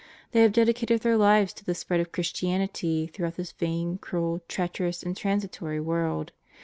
They have dedicated their lives to the spread of Christianity throughout this vain, cruel, treacherous, and transitory world.